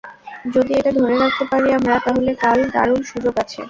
যদি এটা ধরে রাখতে পারি আমরা, তাহলে কাল দারুণ সুযোগ আছে।